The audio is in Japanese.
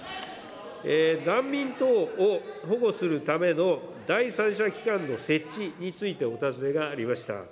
難民等を保護するための第三者機関の設置についてお尋ねがありました。